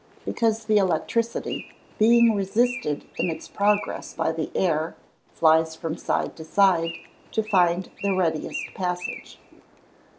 _ Because the electricity, being resisted in its progress by the air, flies from side to side, to find the readiest passage.